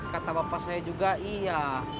kata bapak saya juga iya